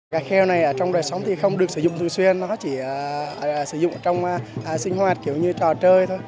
cả kheo này trong đời sống thì không được sử dụng thường xuyên nó chỉ sử dụng trong sinh hoạt kiểu như trò chơi